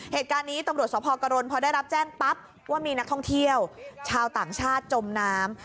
เหตุการณ์นี้ตำรวจสภกรณพอได้รับแจ้งปั๊บว่ามีนักท่องเที่ยวชาวต่างชาติจมน้ำ